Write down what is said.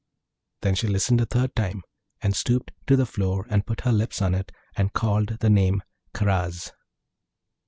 Then she listened a third time, and stooped to the floor, and put her lips to it, and called the name, 'Karaz!'